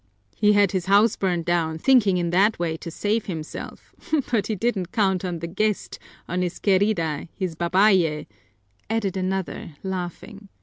"He had his house burned down, thinking in that way to save himself, but he didn't count on the guest, on his querida, his babaye," added another, laughing.